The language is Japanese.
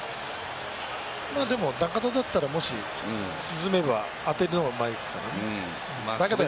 中野だったらもし進めば当てるのもうまいですからね。